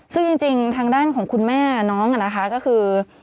ซึ่งจริงทางด้านของคุณแม่น้องนะคะก็คือ